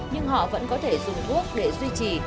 nhưng họ vẫn có thể dùng thuốc để duy trì